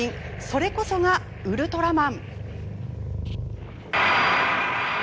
それこそがウルトラマン。